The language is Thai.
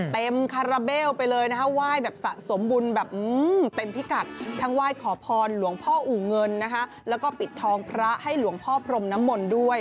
คาราเบลไปเลยนะคะไหว้แบบสะสมบุญแบบเต็มพิกัดทั้งไหว้ขอพรหลวงพ่ออู่เงินนะคะแล้วก็ปิดทองพระให้หลวงพ่อพรมน้ำมนต์ด้วย